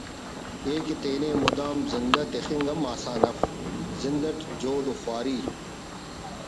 ءِ کہ تینے مدام زندہ تخنگ ہم آسان اف زند اٹ جہد خواری